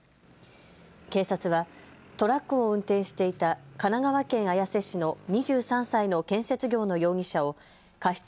警察はトラックを運転していた神奈川県綾瀬市の２３歳の建設業の容疑者を過失